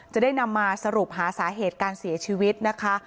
จะได้นำมาสรุปหาสาเหตุการเสียชีวิตนะคะ